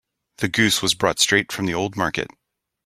The goose was brought straight from the old market.